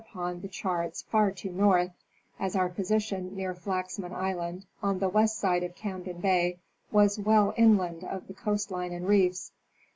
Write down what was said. upon the charts too far north, as our position near Flaxman island, on the west side of Camden bay, was well inland of the coast line and reefs.